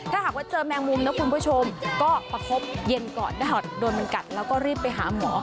ถ้าหากว่าเจอแมงมุมนะคุณผู้ชมก็ประคบเย็นก่อนถ้าหากโดนมันกัดแล้วก็รีบไปหาหมอ